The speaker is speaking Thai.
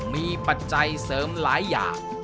มีปัจจัยเสริมหลายอย่าง